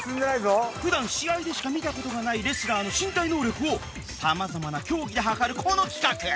普段試合でしか見た事がないレスラーの身体能力を様々な競技で測るこの企画